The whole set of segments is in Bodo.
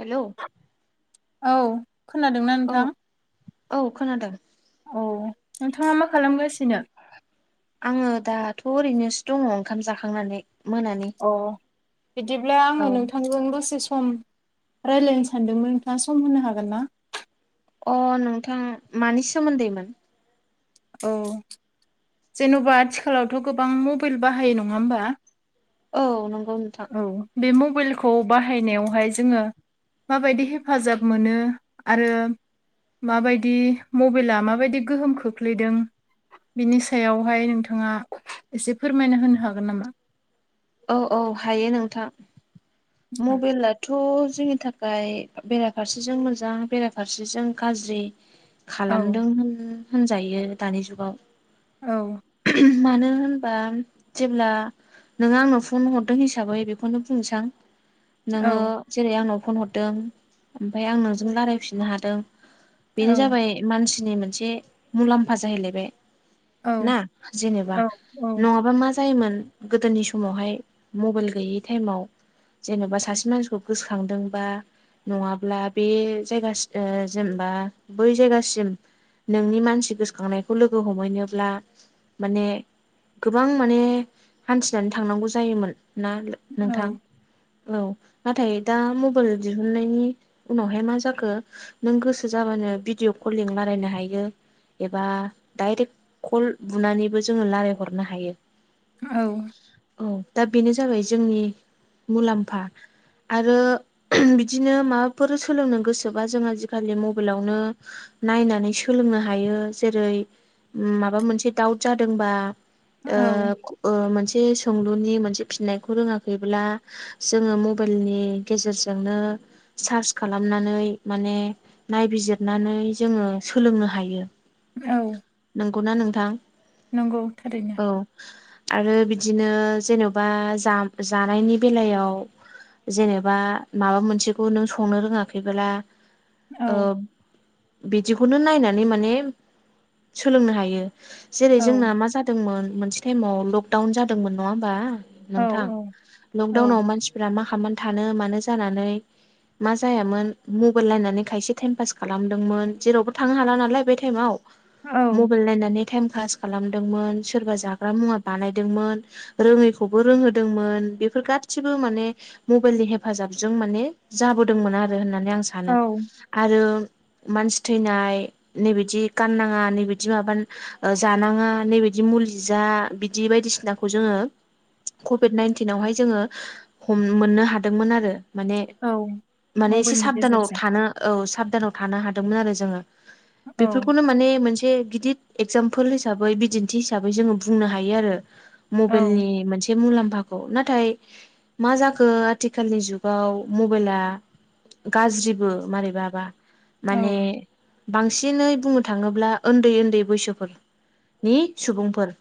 हेलौ औ खोनादोंना औ नोंथां? औ खोनादों औ नोंथाङा मा खालामगासिनो? आङो दाथ' ओरैनोसो दङ ओंखाम जाखांनानै मोनानि। अ बिदिब्ला औ आङो नोंथांजों दसे सम रायलायनो सानदोंमोन नोंथाङा सम होनो हागोन ना? अ नोंथां मानि सोमोन्दैमोन? औ जेनबा आथिखालावथ गोबां मबेल बाहायो नङा होमबा औ नंगौ नोंथां औ बे मबेलखौ बाहायनायावहाय जोङो माबायदि हेफाजाब मोनो आरो माबायदि मबेला माबायदि गोहोम खोख्लैदों बिनि स सायावहाय नोंथाङा एसे फोरमायनो होनो हागोन नामा? औ औ हायो नोंथां मबेलाथ थ जोंनि थाखाय बेराफारसेजों मोजां बेराफारसेजों गाज्रि। औ खालामदों होन-होनजायो दानि जुगाव। औ मानो होनबा जेब्ला नो आंनो फन हरदों हिसाबै बेखौनो बुंनिसां औ नोङो जेरै आंनाव फन हरदों ओमफाय आं नोंजों लायरायफिननो हादों औ बेनो जाबाय मानसिनि मोनसे मुलाम्फा जाहैलायबाय। ना जेनेबा औ औ नङाबा मा जायोमोन गोदोनि स समावहाय मबेल गैयै थाइमाव जेनबा सासे मानसिखौ गोसोखांदों बा नङाब्ला बे जायगा सि ओ जेनेबा बै जायगासिम नोंनि मानसि गोसोखांनायखौ लोगो हमहैनोब्ला माने गोबां माने हान्थिनानै थांनांगौ जायोमोन ना लो औ नोंथां। औ नाथाय दा मबाइल दिहुननायनि उनावहाय मा जाखो नों गोसो जाबानो भिडिअ कलिं लारायनो हायो। एबा डाइरेक्ट कल बुनानैबो जोङो लारायहरनो हायो। औ औ दा बेनो जाबाय जोंनि मुलाम्फा। आरो बिदिनो माबाफोर सोलोंनो गोसोबा जों आजिखालि मबेलावनो नायनानै सोलोंनो हायो जेरै ओ माबा मोनसे दाउट जादोंबा ओ औ ख ओ मोनसे सोंलुनि मोनसे फिनायखौ रोङाखैब्ला जोङो मबेइलनि गेजेरजोंनो सार्च खालामनानै माने नायबिजिरनानै जोङो सोलोंनो हायो। औ नोंगौना नोंथां? नोंगौ थारैनो। औ आरो बिदिनो जेनबा जा-जानायनि बेलायाव जेनेबा माबा मोनसेखौ नों संनो रोङाखैबोला ओ औ बिदिखौनो नायनानै माने सोलोंनो हायो। जेरै औ जोंना मा जादोंमोन मोनसे टाइमाव लकडाउन जादोंमोन नङा होमबा? औ नोंथां औ लकदाउनाव मानसिफोरा मा खालामामनानै थानो मानो जानानै मा जायामोन मबाइल नायनानै खायसे टाइम पास खालामदोंमोन जेरावबो थांनो हाला नालाय बे टाइमाव औ मबेल नायनानै टाइम पास खालामदोंमोन सोरबा जाग्रा मुवा बानायदोंमोन रोङैखौबो रोंहोदोंमोन बेफोर गासिबो माने मबेलनि हेफाजाबजों माने जाबोदोंमोन आरो होननानै आं सानो औ आरो मानसि थैनाय नैबादि गाननाङा नैबदि माबा ओ जानाङा नैबेदि मुलि जा बिदि बायदिसिना खौ जोङो कभिड नाइन्टिनावहाय जोङो हमनो मोननो हादोंमोन आरो माने औ माने एसे मबाइलनि साबधानाव गेजेरजों थानो औ साबधानाव थानो हादोंमोन आरो जोङो औ बेफोरखौनो माने मोनसे से गिदद एगजामपोल हिसाबै बिदिन्थि हिसाबै जोङो बुंनो हायो आरो। मबाइलनि औ मोनसे बसे मुलाम्फाखौ नाथाय मा जाखो आथिखालनि जुगाव मबाइला गाज्रिबो मारैबाबा औ माने बांसिनै बुंनो थाङोब्ला उन्दै उन्दै बैसोफोर नि सुबुंफोर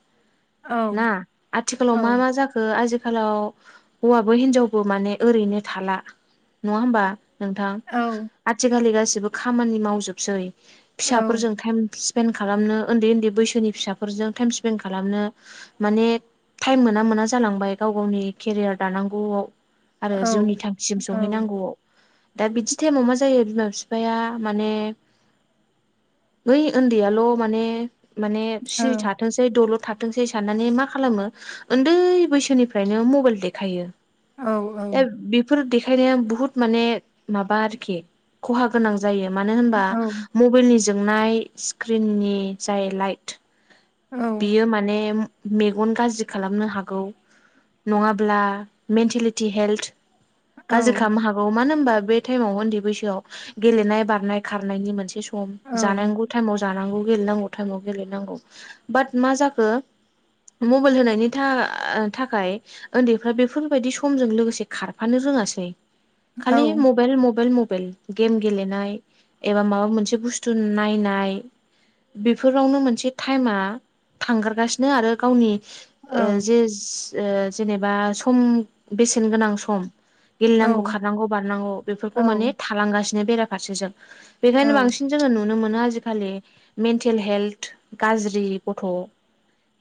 ना औ आथिखालाव मा मा जाखो आजिखालाव हौवाबो हिनजावबो माने ओरैनो थाला। नङा होमबा? नोंथां औ आथिखालि गाैबो खामानि मावजोबसै औ फिसाफोरजों टाइम फिस पेन खालामनो उन्दै उन्दै बैसोनि फिसाफोरजों टाइम स्पेन्दड खालामनो माने टाइम मोना मोना जालांबाय गाव गावनि केरियार दानांगौआव। आरो औ जिउनि थांखिसिम सहैनांगौआव। दा बिदि टाइमाव मा जायो बिमा बिफाया माने बै ओन्दैयाल' माने माने औ सिरि औ थाथोंसै दलर थाथोंसै साननानै मा खालामो? उन्दै बैसोनिफ्रायनो मबाइल देखायो दा बेफ फोर देखायनाया बुहुत माने माबा आरोखि खहा गोनां जायो मानो होनबा? मबाइलनि जोंनाय स्क्रिननि जाय लाइट औ यो माने मेगन गाज्रि खालामनो हागौ। नङाब्ला मेन्टेलिटि हेल्थ गाज्रि खालामनो हागौ मानो होनबा बे थाइमाव उन्दै बैसोआव गेलेनाय बारनाय खारनायनि मोनसे सम जांनांगौ थाइमाव जानांगौ गेलेनांगौ थाइमाव गेलेनांगौ बाट मा जाखो? मबाइल होनायनि था थाखाय उन्दैफ्रा बेफोरबायदि समजों लोगोसे खारफानो रोङासै। खालि मबाइल मबाइल मबाइल। गेम गेलेनाय एबा माबा मोनसे बुस्थु नायनाय। बेफोरावनो मोनसे टाइमा थांगारगासिनो आरो गावनि ओ जे ओ जेनेबा सम बेसेन गोनां सम। गेलेनांगौ खारनांगौ बारनांगौ बेफोरखौ औ माने थालांगासिनो बेराफारसेजों बेखायनो औ बांसिन जोङो नुनो मोनो आजिखालि मेन्टेल हेल्थ गाज्रि गथ'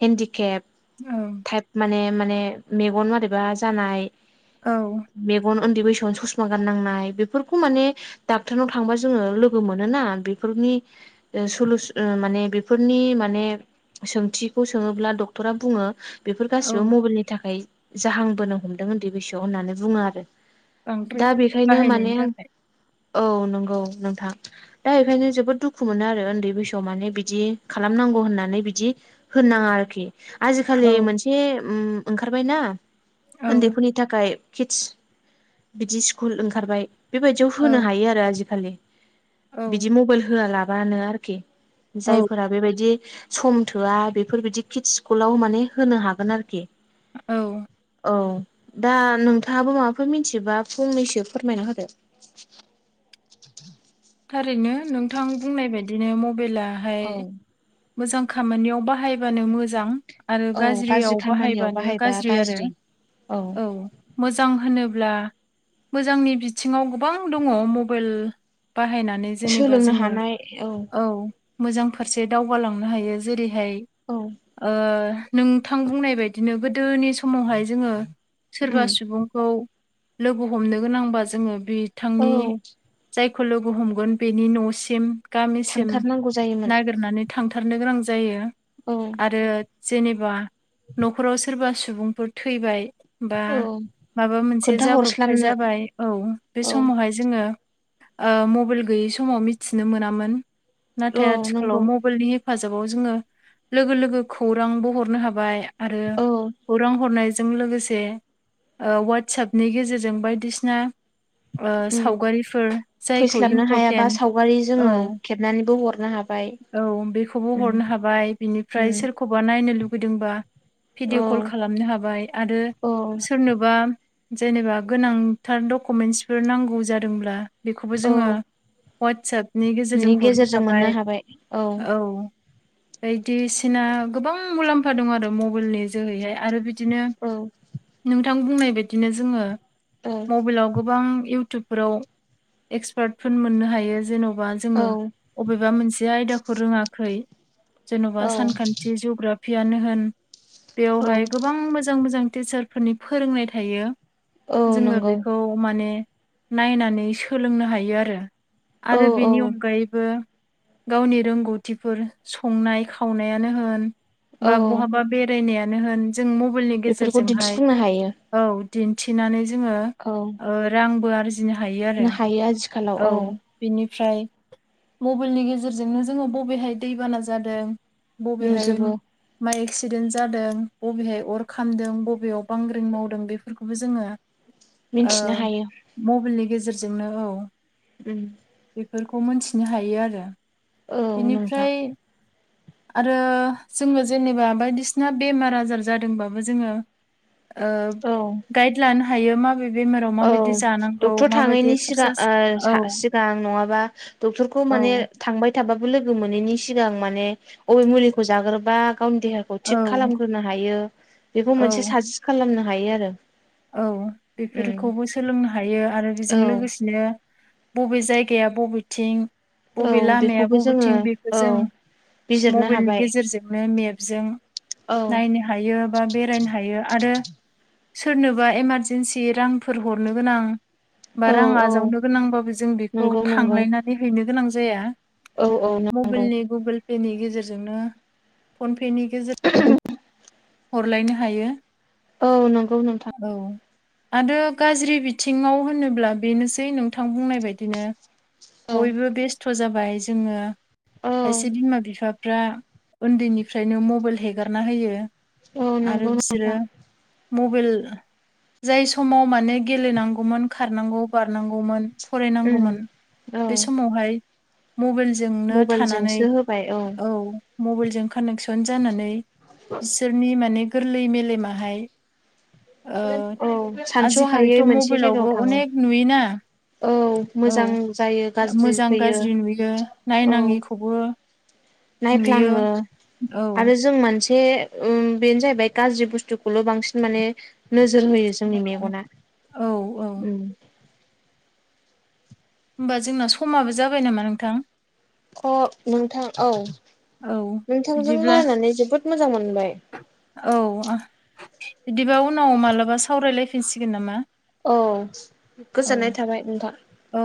हेन्दिकेप औ थाइप माने माने मेगन मोरैबा जानाय। औ मेगन उन्दै बैसोआव ससमा गाननांनाय बेफोरखौ माने डाक्टरनाव थांबा जोङो लोगो मोनोना बेफोरनि ओ सलुस ओ माने बेफोरनि माने सोंथिखौ सोङोब्ला डक्टरा बुङो बेफोर औ गासिबो मबाइलनि थाखाय जाहांबोनो हमदों उन्दै बैसोआव होननानै बुङो आरो। बांद्राय दा बेखायनो बाहायनायनि माने आं थाखाय औ नंगौ नोंथां। दा बेखायनो जोबोद दुखु मोनो आरो उन्दै बैसोआव माने बिदि खालामनांगौ होननानै बि बिदि होनोनाङा आरोखि औ आजिखालि मोनसे उम ओंखारबायना औ उन्दैफोरनि थाखाय कितस बिदि स्कुल ओंखारबाय। बेबायदियाव औ होनो हायो आरो आजिखालि औ बिदि मबाइल होआलाबानो आरोखि। औ जायफोरा बेबायदि सम थोआ बेफोरबायदि कित स्कुलाव माने होनो हागोन आरोखि। औ औ दा नोंथाङाबो माबाफोर मिथियोबा फंनैसो फोरमायना होदो। थारैनो नोंथां बुंनाय बायदिनो मबाइलाहाय औ मोजां खामानियाव बाहायबानो मोजां आरो औ गाज्रि गाज्रियाव खामानियाव बाहायबानो बाहायबा गाज्रि आरो औ मोजां होनोब्ला मोजांनि बिथिङाव गोबां दङ मबाइल बाहायनानै जेनेबा सोलोंनो जोङो हानाय औ मोजां फारसे दावगालांनो हायो जेरैहाय औ। नोंथां बुंनाय बदिनो गोदोनि समावहाय जोङो उम सोरबा सुबुंखौ लोगो हमनो गोनांबा जोङो बे औ। खौ लोगो हमगोन बेनि न'सिम गामिसिम थांथारनांगौ जायोमोन नागिरनानै थांथारनो गोनां जायो औ आरो जेनेबा न'खराव सोरबा सुबुंफोर थैबाय बा औ माबा मोनसे जाब्रबथाय खोन्थाहरस्लाबनो जाबाय औ बे औ समावहाय जोङो मबाइल गैयि समाव मिथिनो मोनामोन औ नाथाय आथिखालाव नंगौ मबाइलनि हेफाजाबाव जोङो लोगो लोगो खौरांबो हरनो हाबाय। आरो औ खौरां हरनायजों लोगोसे वाट्सपनि गेजेरजों बायदिसिना उम सावगारिफोर जायखौ फैस्लाबनो हायाबा इम्परटेन्ट सावगारि जोङो औ खेबनानैबो हरनो हाबाय। औ बेखौबो उम हरनो हाबाय बिनिफ्राय उम सोर एखौबा नायनो लुगैदोंबा औ भिडिअ' कल खालामनो हाबाय आरो औ सोरनोबा जेनेबा गोनांथार डकुमेन्टसफोर नांगौ जादोंब्ला बेखौबो औ जोङो ववाट्सएपनि गेजेरजों हरनो हाबाय औ बायदिसिना गोबां मुलाम्फा दं आरो मबाइलनि जोहैहाय आरो बि बिदिनो औ नोंथां बुंनाय बाददिनो जोङो मबाइलाव गोबां इउटुब बेफोराव एक्सपार्टफोर मोननो हायो जेन'बा जोङो औ अबेबा मोनसे आयदाखौ रोङाखै जेन'बा औ सानखान्थि जग्राफियानो होन औ बेवहाय गोबां मोजां मोजां मोजां टिचारफोरनि फोरोंनाय थायो औ जोङो नंगौ बेखौ माने नायनानै सोलोंनो हायो आरो औ आरो औ बेनि अनगायैबो गावनि रोंगौथिफोर संनाय खावनायानो होन बा औ बहाबा बेरायनायानो होन जों मबाइलनि बेफोरखौ गेजेरजोंहाय दिन्थिफुंनो हायो औ दिन्थिनानै जोङो औ। रांबो आरजिनो हायो आरो आजखाल औ बेनिफ्राय मबाइलनि गेजेरजोंनो जोङो बबेहाय दैबाना जादों बबेहाय नुजोबो माइ एक्सिडेन्ट जादों बबेहाय अर खामदों बबेयाव बांग्रिं मावदों बेफोरखौबो जोङो मिन्थिनो हायो मबाइलनि गेजेरजोंनो औ उम बेफोरखौ मोनथिनो हायो आरो औ नोंथां बेनिफ्राय आरो जोङो जेनेबा बायदिसिना बेमार आजार जादोंबाबो जोङो औ गाइड लानो हायो माबे बेमाराव औ माबायदि जानांगौ डक्टर थाङैनि माबायदि एक्सारसाइस औ सिगां सिगां नङाबा डक्टरखौ माने औ थांबाय थाबाबो लोगो मोनैनि सिगां माने अबे मुलिखौ जाग्रोबा गावनि देहाखौ खौ थिग औ खालामग्रोनो हायो बेखौ औ मोनसे साजेस् खालामनो हायो आरो। औ उम बेफोरखौबो सोलोंनो हायो आरो बेजों औ लोगोसेनो बबे जायगाया बबेथिं बबे औ लामाया बेखौबो जोङो बबेथिं बेखौ औ जों बिजिरनो मबाइलनि हाबाय गेजेरजोंनो मेपजों औ नायनो हायो बा बेरायनो हायो आरो सोरनोबा इमारजेन्सि रांफोर हरनो गोनां बा औ रां औ आजावनो गोनांबाबो जों बेखौ नंगौ नंगौ थांलायनानै हैनो गोनां जाया औ औ नों मबाइलनि गुगोल पेनि गेजेरजोंनो फन पेनि गेजेरजों बे हरलायनो हायो औ नंगौ नोंथां। औ आरो गाज्रि बिथिङाव होनोब्ला बेनोसै नोंथां बुंनाय बायदिनो औ बयबो बेस्थ' जाबाय जोङो औ खायसे बिमा बिफाफ्रा उन्दैनिफ्रायनो मबाइल हेगारना होयो औ आरो नंगौ बिसोरो नोंथां। मबाइल जाय समाव माने गेलेनांगौमोन खारनांगौ बारनांगौमोन उम फरायनांगौमोन औ बे समावहाय मबाइलजोंनो थानानै मबाइलजोंसो होबाय औ मबाइलजों कानेकसन जानानै बिसोरनि माने गोरलै मेलेमाहाय ओ औ सानस' हायै आजिखालिथ' मोनसे जायगायाव मबाइलावबो थाङो अनेक नुयोना औ औ मोजां जायो गाज्रि फैयो औ खौबो नायफ्लाङो औ आरो जों मोनसे उम बेनो जाहैबाय गाज्रि बुस्थुखौल' बांसिन माने नोजोर होयो जोंनि औ मेगना औ औ उम होमबा जोंना समाबो जाबाय नामा नोंथां? थ' नोंथां औ औ नोंथांजों बिदिब्ला रायलनानै जोबोद मोजां मोनबाय औ बिदिबा उनाव मालाबा सावरायलायफिनसिगोन नामा? औ औ गोजोननाय थाबाय नोंथां। औ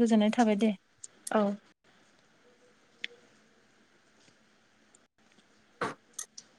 गोजोननाय थाबाय दे। औ